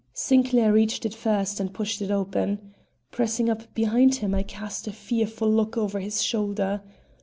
Sinclair reached it first and pushed it open. Pressing up behind him, I cast a fearful look over his shoulder.